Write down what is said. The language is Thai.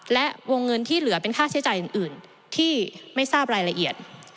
และวงเงินที่เหลือเป็นค่าใช้จ่ายอื่นที่ไม่ทราบรายละเอียด